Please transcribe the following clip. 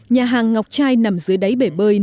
nhà hàng ngọc trai nằm dưới đáy bể bơi